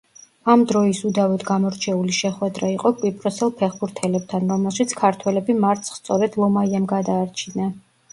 ამ დროის უდავოდ გამორჩეული შეხვედრა იყო კვიპროსელ ფეხბურთელებთან, რომელშიც ქართველები მარცხს სწორედ ლომაიამ გადაარჩინა.